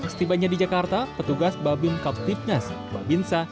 setibanya di jakarta petugas babin kaptipnas babinsa